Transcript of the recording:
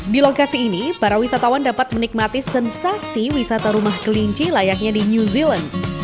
di lokasi ini para wisatawan dapat menikmati sensasi wisata rumah kelinci layaknya di new zealand